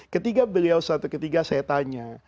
ketika beliau satu ketiga saya tanya